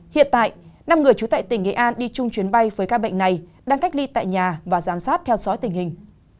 hiện tại năm người trú tại tỉnh nghệ an đi chung chuyến bay với ca bệnh này đang cách ly tại nhà và giám sát theo dõi tình hình